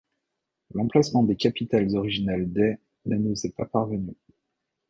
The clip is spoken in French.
L'emplacement des capitales originales des ne nous est pas parvenu.